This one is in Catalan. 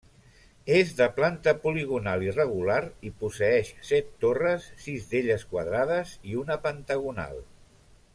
És de planta poligonal irregular i posseeix set torres, sis d'elles quadrades i una pentagonal.